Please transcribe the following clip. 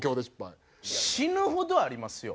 死ぬほどありますよ。